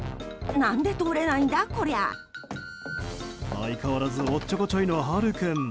相変わらずおっちょこちょいのハル君。